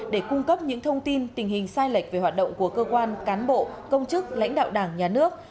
để cung cấp những thông tin tình hình sai lệch về hoạt động của cơ quan cán bộ công chức lãnh đạo đảng nhà nước